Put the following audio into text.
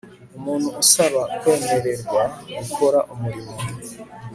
umuntu usaba kwemererwa gukora umurimo